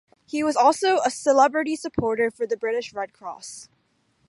He is also a celebrity supporter for the British Red Cross.